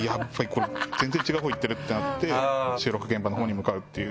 これ全然違うほう行ってるってなって収録現場のほうに向かうっていう。